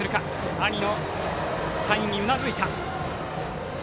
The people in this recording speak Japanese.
兄のサインにうなずいた。